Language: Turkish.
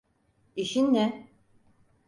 İşin ne?